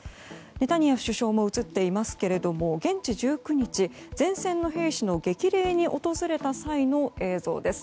ネタニヤフ首相も映っていますが現地１９日、前線の兵士の激励に訪れた際の映像です。